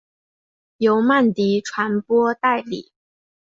由曼迪传播代理。